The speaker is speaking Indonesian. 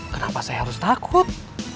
kenapa saya harus takut